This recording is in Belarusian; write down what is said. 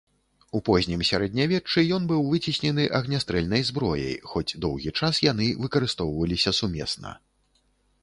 У познім сярэднявеччы ён быў выцеснены агнястрэльнай зброяй, хоць доўгі час яны выкарыстоўваліся сумесна.